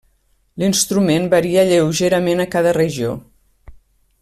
L'instrument varia lleugerament en cada regió.